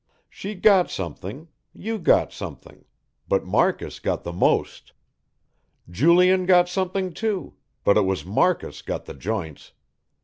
She got something, you got something, but Marcus got the most. Julian got something too, but it was Marcus got the joints.